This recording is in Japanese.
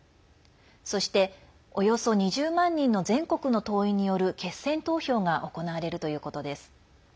そして、およそ２０万人の全国の党員による決選投票が行われるということです。